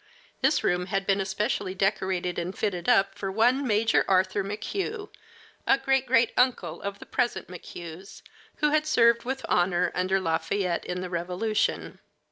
This room had been especially decorated and fitted up for one Major Arthur McHugh, a great great uncle of the present McHughs, who had served with honor under Lafayette in the Revolution.